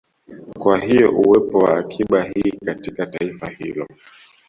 Kwa hiyo uwepo wa akiba hii katika taifa hilo